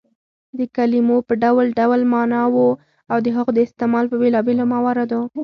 د کلیمو په ډول ډول ماناوو او د هغو د استعمال په بېلابيلو مواردو